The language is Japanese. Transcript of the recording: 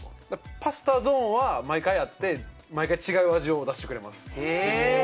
パスタゾーンは毎回あって、毎回違う味を出してくれます。